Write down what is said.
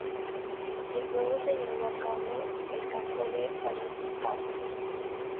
El juego se llevó a cabo en el campo de Piracicaba calle.